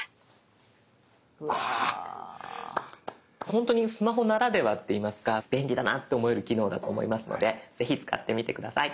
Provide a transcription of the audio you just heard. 本当にスマホならではって言いますか便利だなと思える機能だと思いますのでぜひ使ってみて下さい。